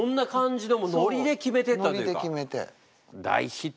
ノリで決めて。